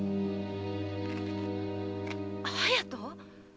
隼人？